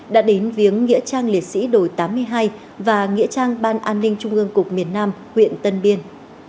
đã đến viếng nghĩa trang liệt sĩ đổi tám mươi hai và nghĩa trang ban an ninh trung ương cục miền nam huyện tân biên